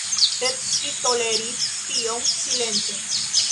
Sed ŝi toleris tion silente.